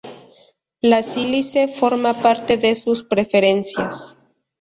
La sílice forma parte de sus preferencias.